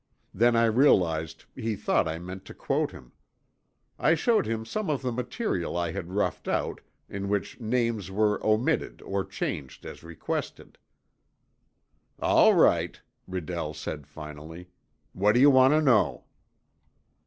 Then I realized he thought I meant to quote him. I showed him some of the material I had roughed out, in which names were omitted or changed as requested. "All right," Redell said finally. "What do you want to know?"